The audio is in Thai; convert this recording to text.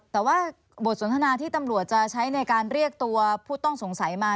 แต่ว่าบทสนทนาที่ตำรวจจะใช้ในการเรียกตัวผู้ต้องสงสัยมา